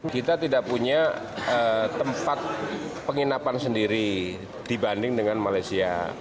kita tidak punya tempat penginapan sendiri dibanding dengan malaysia